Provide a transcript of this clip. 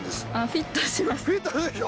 フィットするでしょ！